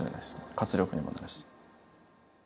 活力にもなるし。